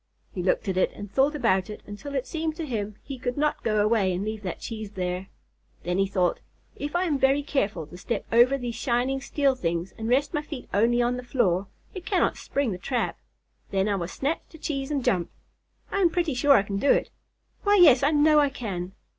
He looked at it and thought about it until it seemed to him he could not go away and leave that cheese there. Then he thought, "If I am very careful to step over these shining steel things and rest my feet only on the floor, it cannot spring the trap. Then I will snatch the cheese and jump.... I am pretty sure I can do it.... Why, yes, I know I can."